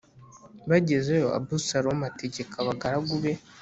Bagezeyo Abusalomu ategeka abagaragu be